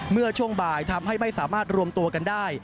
เมื่อช่วงบ่ายทำให้ไม่สามารถรวมตัวกันได้